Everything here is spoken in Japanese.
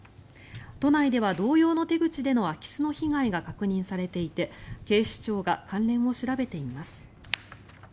都内では同様の手口での空き巣の被害が確認されていて警視庁が関連を調べています。